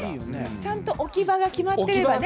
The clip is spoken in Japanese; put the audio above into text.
ちゃんと置き場が決めれればね。